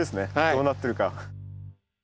どうなってるか。